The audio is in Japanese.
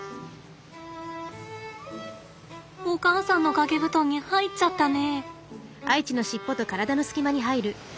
お母さんの掛け布団に入っちゃったね。